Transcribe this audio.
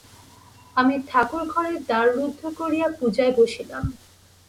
আমি ঠাকুরঘরে দ্বার রুদ্ধ করিয়া পূজায় বসিলাম।